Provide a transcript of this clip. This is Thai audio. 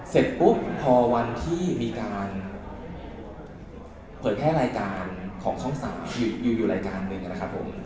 เสร็จปุ๊บพอวันที่มีการเปิดแพร่รายการของช่อง๓อยู่รายการหนึ่งนะครับผม